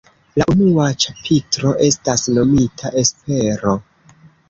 La unua ĉapitro estas nomita "Espero".